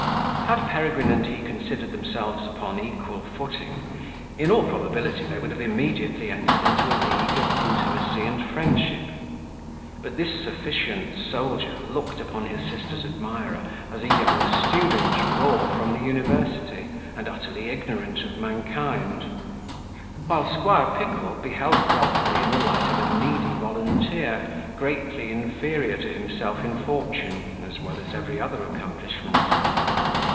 Had Peregrine and he considered themselves upon equal footing, in all probability they would have immediately entered into a league of intimacy and friendship: but this sufficient soldier looked upon his sister's admirer as a young student raw from the university, and utterly ignorant of mankind; while Squire Pickle beheld Godfrey in the light of a needy volunteer, greatly inferior to himself in fortune, as well as every other accomplishment.